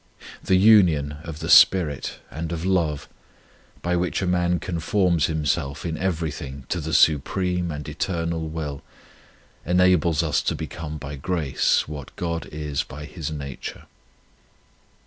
This union of the spirit and of 37 On Union with God love, by which a man conforms himself in everything to the supreme and eternal will, enables us to become by grace what God is by His nature.